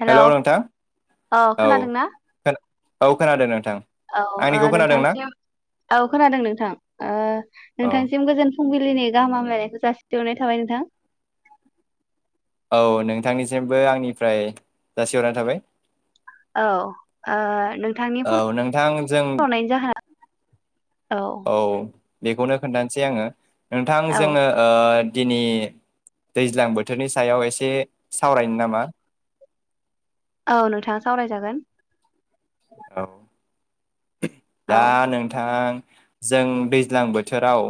हेल' hello नोंथां औ खोनादोंना खोना औ खोनादों नोंथां औ ओ आंनिखौ खोनादों ना नोंथांसिम औ खोनादों नोंथां ओ औ नोंथांसिम गोजोन फुंबिलि। लिनि गाहाम हामलायनायखौ जासिहरनाय थाबाय नोंथां। औ नोंथांनिसिमबो आंनिफ्राय जासिहरनाय थाबाय। औ ओ नों औ नोंथां जों औ। बेखौनो खोन्थानोसै आङो। नोंथां औ जोङो ओ दिनि दैज्लां बोथोरनि सायाव एसे सावरायनो नामा। औ नोंथाङा सावरायजागोन । औ। दा औ नोंथां। जों दैज्लां बोथोराव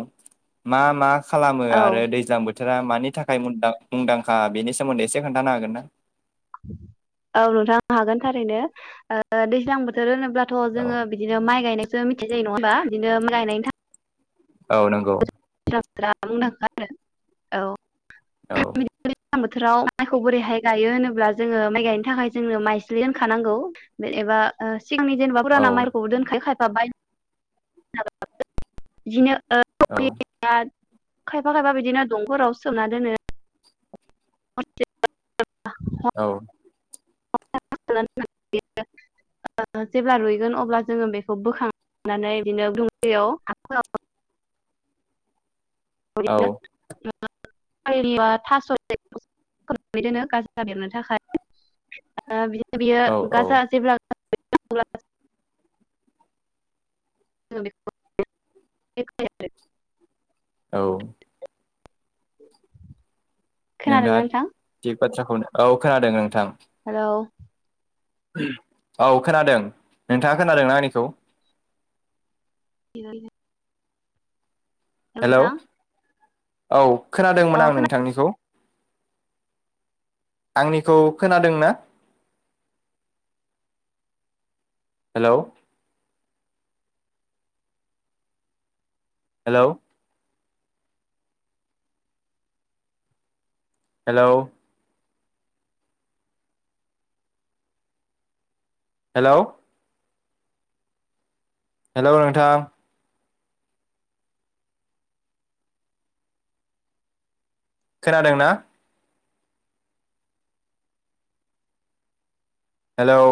मा मा खालामो औ आरो दैजां बोथ बोथोरा मानि थाखाय मुददा मुंदांखा बेनि सोमोन्दै एसे खोन्थानो हागोन ना? औ नोंथां हागोन थारैनो ओ दैज्लां बोथोर होनोब्ला थ' औ जोङो बिदिनो माइ गायनाय जों मिथि जायो नङा होमबा बिदिनो गायनायनि थाख औ नंगौ । [unintelligible] मुंदांखा आरो औ । औ । राव माइखौ बोरैहाय गायो होनोब्ला जोङो माइ गायनो थाखाय जोंनो माइस्लि दखानांगौ एबा सिगांनि जेनेबा औ पुराना माइखौबो दोनखायो खाय बाय [unintelligible] बिदिनो ओ औ [unintelligible] खायफा खायफा बिदिनो दंफोराव सोमना दोनो। [unintelligible] औ। [unintelligible] जेब्ला रुइगोन अब्ला जोङो बेखौ बोखांनानै बिदिनो दुंगैयाव [unintelligible] औ [unintelligible] [unintelligible] थास' [unintelligible] दोनो [unintelligible] थाखाय ओ बिदि बियो औ गाजा औ जेब्ला [unintelligible] [unintelligible] औ [inaudible] खोनादोंना नोंथाङा नोंथां? थिग बाथ्राखौनो औ खोनादों नोंथां। हेलौ औ खोनादों। नोंथाङा खोनादोंना आंनिखौ? [unintelligible] [unintelligible] हेलौ नोंथां। औ खोनादोंमोन औ आं नोंथांनिखौ आंनिखौ खोनादों ना? Hello hello hello hello hello नोंथां। खोनादोंना? हेलौ